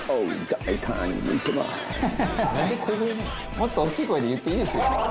「もっと大きい声で言っていいですよ」